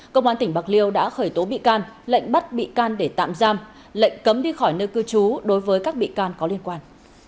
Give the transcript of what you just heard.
công an tỉnh bạc liêu đã khởi tố bị can lệnh bắt bị can để tạm giam lệnh cấm đi khỏi nơi cư trú đối với các bị can có liên quan